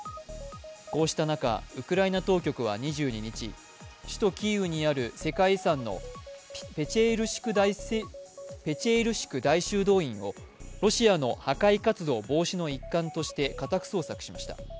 こうした中、ウクライナ当局は２２日首都キーウにある世界遺産のペチェールシク大修道院をロシアの破壊活動防止の一環として家宅捜索しました。